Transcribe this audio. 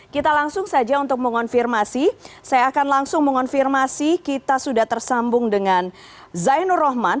kita langsung saja untuk mengonfirmasi saya akan langsung mengonfirmasi kita sudah tersambung dengan zainul rohman